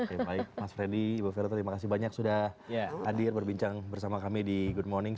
oke baik mas freddy ibu ferry terima kasih banyak sudah hadir berbincang bersama kami di good morning